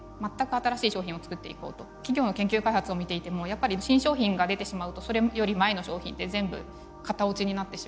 企業の研究開発を見ていてもやっぱり新商品が出てしまうとそれより前の商品って全部型落ちになってしまう。